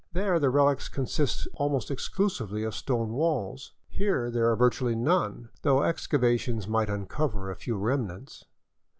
There the relics consist almost exclusively of stone walls; here there are virtually none, though excavations might uncover a few remnants.